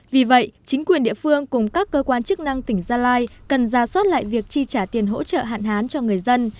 vì vậy chính quyền địa phương cùng các cơ quan chức năng tỉnh gia lai cần ra soát lại việc chi trả tiền hỗ trợ hạn hán cho người dân